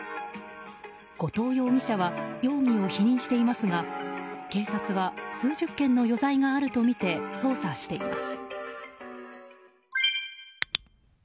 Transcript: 後藤容疑者は容疑を否認していますが警察は、数十件の余罪があるとみて捜査しています。